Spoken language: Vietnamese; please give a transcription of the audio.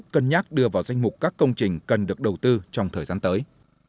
cân nhắc đưa vào danh mục các công trình cần được đầu tư trong thời gian tới